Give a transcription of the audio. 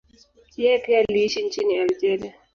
Yeye pia aliishi nchini Algeria.